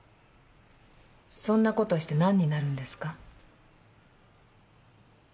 そんな事してなんになるんですか？